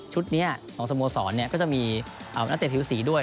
ชุดนี้หลังสมโวสรมีนักเตะผิวสีด้วย